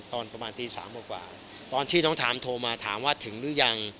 ตอนประมาณตี๓กว่าตอนที่น้องทามโทรมาถามว่าถึงหรือยัง